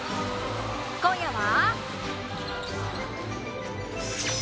今夜は。